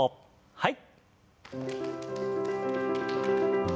はい。